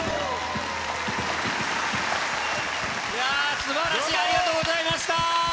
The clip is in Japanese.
すばらしい、ありがとうございました！